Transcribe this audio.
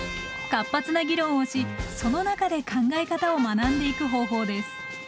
活発な議論をしその中で考え方を学んでいく方法です。